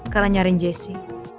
karena nyariin jessy